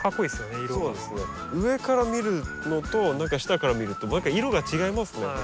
上から見るのと下から見ると色が違いますね。